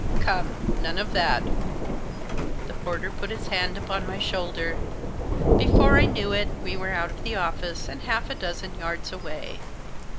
" Come, none of that." The porter put his hand upon my shoulder. Before I knew it we were out of the office and half a dozen yards away.